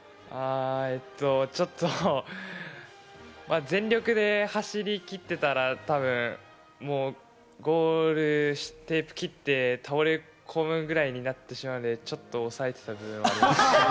ちょっと全力で走りきってたら、多分ゴールテープ切って倒れ込むぐらいになってしまうので、ちょっと抑えてた部分はあります。